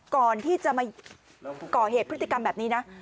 ก่อนที่จะมาก่อเหตุพฤติกรรมแบบนี้นะ